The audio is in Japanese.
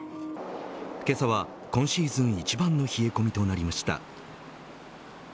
けさは今シーズン一番の冷え込みとなりました。